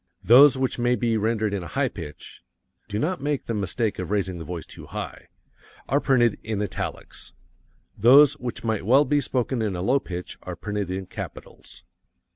Those which may be rendered in a high pitch do not make the mistake of raising the voice too high are printed in italics. Those which might well be spoken in a low pitch are printed in CAPITALS.